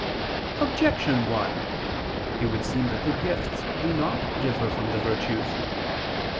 Objection 1: It would seem that the gifts do not differ from the virtues.